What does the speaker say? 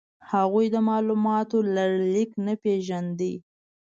هغوی د مالوماتو لړلیک نه پېژانده.